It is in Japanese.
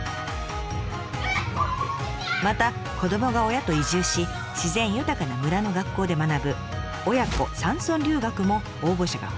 また子どもが親と移住し自然豊かな村の学校で学ぶ親子山村留学も応募者が増え続けています。